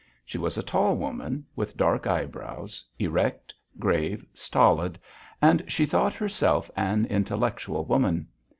She was a tall woman, with dark eyebrows, erect, grave, stolid, and she thought herself an intellectual woman.